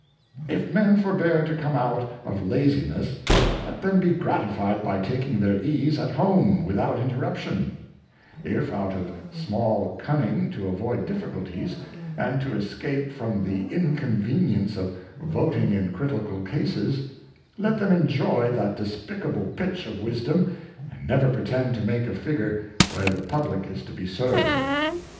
If men forbear to come out of Laziness, let them be gratified by taking their ease at Home without Interruption ; If out of small Cunning to avoid Difl&culties, and to escape from the Inconvenience of Voting in Critical Cases, let them enjoy that despicable pitch of Wisdom, and never pretend to make a Figure where the Publick is to be^ served.